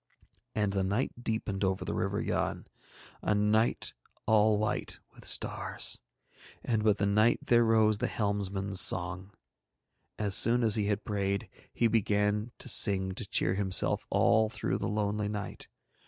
And the night deepened over the River Yann, a night all white with stars. And with the night there rose the helmsman's song. As soon as he had prayed he began to sing to cheer himself all through the lonely night.